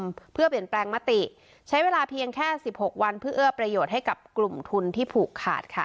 เพื่อเปลี่ยนแปลงมติใช้เวลาเพียงแค่สิบหกวันเพื่อเอื้อประโยชน์ให้กับกลุ่มทุนที่ผูกขาดค่ะ